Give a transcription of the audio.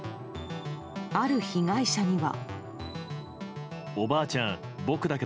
ある被害者には。